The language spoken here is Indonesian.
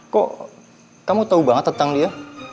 kok kamu tau banget tentang dia